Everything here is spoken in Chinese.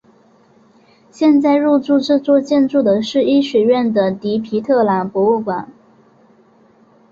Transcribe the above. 现在入驻这座建筑的是医学院的迪皮特朗博物馆。